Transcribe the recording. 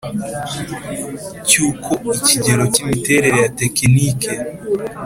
cy uko ikigero cy imiterere ya tekinike